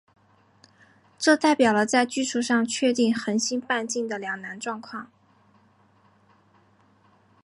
这代表了在技术上确定恒星半径的两难状况。